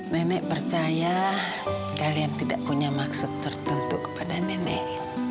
nenek percaya kalian tidak punya maksud tertentu kepada nenek